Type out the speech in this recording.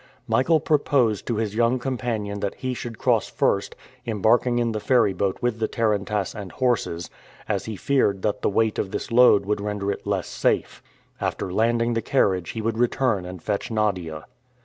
Michael proposed to his young companion that he should cross first, embarking in the ferryboat with the tarantass and horses, as he feared that the weight of this load would render it less safe. After landing the carriage he would return and fetch Nadia.